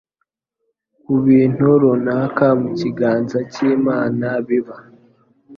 ku bintu runaka. Mu kiganza cy’Imana biba